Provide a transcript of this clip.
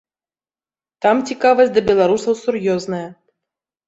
Там цікавасць да беларусаў сур'ёзная.